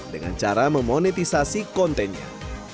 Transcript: dengan cara memonetisasi kontennya